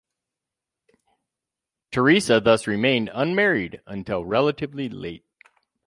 Theresa thus remained unmarried until relatively late.